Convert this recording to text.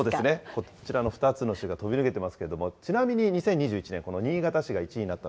こちらの２つの市が飛び抜けていますけれども、ちなみに２０２１年、この新潟市が１位になったの、